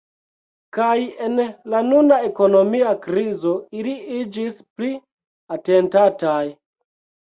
Kaj en la nuna ekonomia krizo ili iĝis pli atentataj.